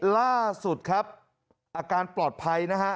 ล่าสุดครับอาการปลอดภัยนะฮะ